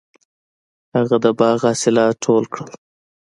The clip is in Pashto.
هغه د باغ حاصلات ټول کړل.